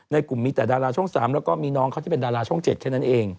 กลุ่มมีแต่ดาราช่อง๓แล้วก็มีน้องเขาที่เป็นดาราช่อง๗แค่นั้นเอง